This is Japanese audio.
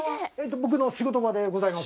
僕の仕事場でございます。